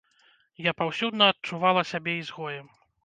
Я паўсюдна адчувала сябе ізгоем.